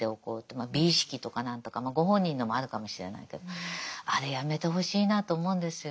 まあ美意識とか何とかご本人のもあるかもしれないけどあれやめてほしいなと思うんですよ。